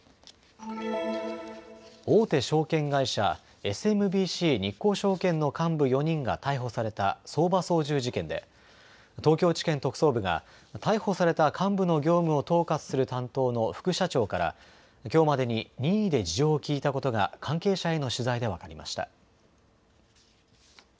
大手証券会社、ＳＭＢＣ日興証券の幹部４人が逮捕された相場操縦事件で東京地検特捜部が逮捕された幹部の業務を統括する担当の副社長からきょうまでに任意で事情を聴いたことが関係者への取材で分かりました。